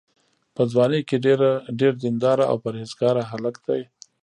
په ځوانۍ کې ډېر دینداره او پرهېزګاره هلک دی.